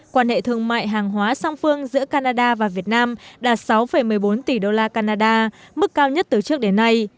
quan hệ thương mại hàng hóa song phương giữa canada và việt nam đạt sáu một mươi bốn tỷ đô la canada mức cao nhất từ trước đến nay